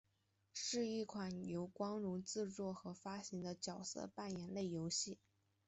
是一款由光荣制作和发行的角色扮演类游戏。